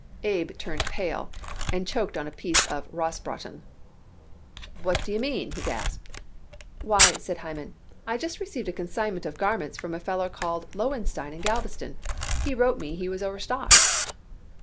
Abe turned pale and choked on a piece of rosbraten. "What d'ye mean?" he gasped. "Why," said Hyman, "I just received a consignment of garments from a feller called Lowenstein in Galveston. He wrote me he was overstocked."